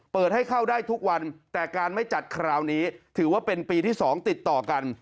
เปิดให้เข้าได้ทุกวันแต่การไม่จัดคราวนี้ถือว่าเป็นปีที่๒ติดต่อกัน